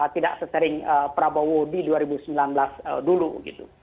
tidak sesering prabowo di dua ribu sembilan belas dulu gitu